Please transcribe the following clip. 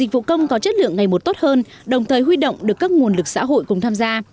nó có chất lượng ngày một tốt hơn đồng thời huy động được các nguồn lực xã hội cùng tham gia